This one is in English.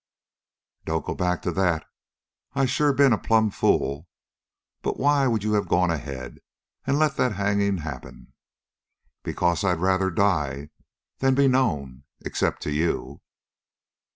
"Don't go back to that! I sure been a plumb fool. But why would you have gone ahead and let that hanging happen?" "Because I had rather die than be known, except to you."